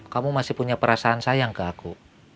kamu masih punya perasaan sayang ke aku